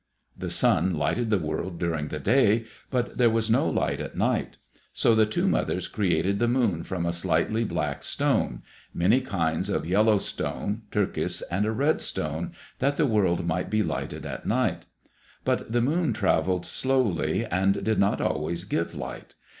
The sun lighted the world during the day, but there was no light at night. So the two mothers created the moon from a slightly black stone, many kinds of yellow stone, turkis, and a red stone, that the world might be lighted at night. But the moon travelled slowly and did not always give light.